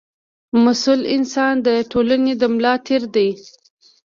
مسوول انسان د ټولنې د ملا تېر دی.